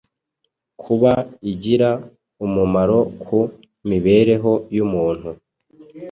kuba igira umumaro ku mibereho y’umuntu